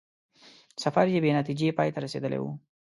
سفر یې بې نتیجې پای ته رسېدلی وو.